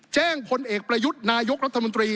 ผลเอกประยุทธ์นายกรัฐมนตรี